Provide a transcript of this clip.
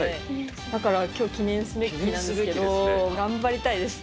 だからきょう、記念すべき日なんですけれども、頑張りたいです。